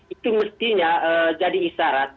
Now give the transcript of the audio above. itu mestinya jadi isyarat